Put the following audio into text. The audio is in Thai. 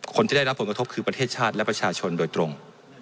คนที่ได้รับผลกระทบคือประเทศชาติและประชาชนโดยตรง